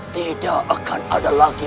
tidak akan ada lagi